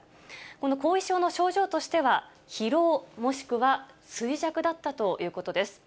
この後遺症の症状としては、疲労、もしくは衰弱だったということです。